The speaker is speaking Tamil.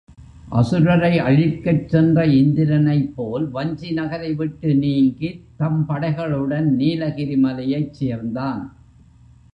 அசுரரை அழிக்கச் சென்ற இந்திரனைப் போல் வஞ்சி நகரை விட்டு நீங்கித் தம் படைகளுடன் நீலகிரி மலையைச் சேர்ந்தான்.